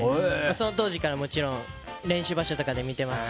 その当時から、もちろん練習場所とかで見ていますし。